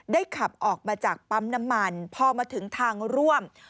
ขับออกมาจากปั๊มน้ำมันพอมาถึงทางร่วม